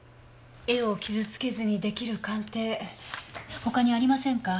絵を傷つけずに出来る鑑定他にありませんか？